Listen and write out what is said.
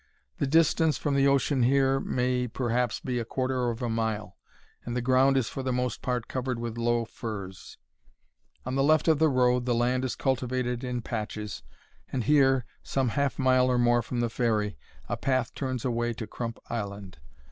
The distance from the ocean here may, perhaps, be a quarter of a mile, and the ground is for the most part covered with low furze. On the left of the road the land is cultivated in patches, and here, some half mile or more from the ferry, a path turns away to Crump Island.